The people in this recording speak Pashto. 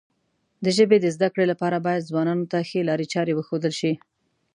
د ژبې د زده کړې لپاره باید ځوانانو ته ښې لارې چارې وښودل شي.